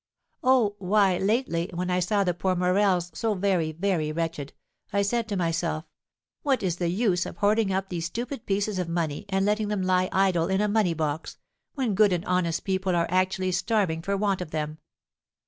"Oh, why, lately, when I saw the poor Morels so very, very wretched, I said to myself, 'What is the use of hoarding up these stupid pieces of money, and letting them lie idle in a money box, when good and honest people are actually starving for want of them?'